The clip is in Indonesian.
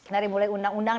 dari mulai undang undang